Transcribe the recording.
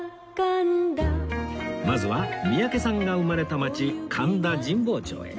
まずは三宅さんが生まれた町神田神保町へ